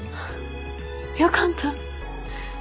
よかった。